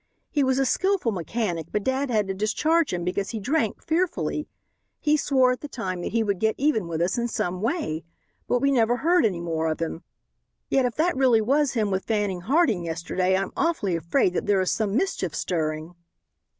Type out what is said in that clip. He was a skillful mechanic, but dad had to discharge him because he drank fearfully. He swore at the time that he would get even with us in some way. But we never heard any more of him. Yet if that really was him with Fanning Harding yesterday I'm awfully afraid that there is some mischief stirring."